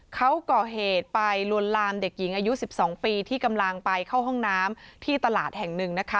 เขาก่อเหตุไปลวนลามเด็กหญิงอายุ๑๒ปีที่กำลังไปเข้าห้องน้ำที่ตลาดแห่งหนึ่งนะคะ